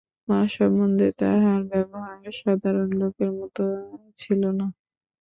মা-সম্বন্ধে তাহার ব্যবহার সাধারণ লোকের মতো ছিল না।